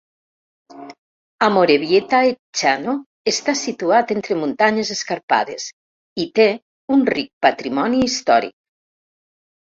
Amorebieta-Etxano està situat entre muntanyes escarpades i té un ric patrimoni històric.